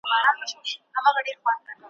یو پر بل یې جوړه کړې کربلا وه ,